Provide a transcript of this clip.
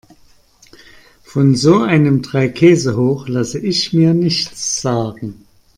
Von so einem Dreikäsehoch lasse ich mir nichts sagen.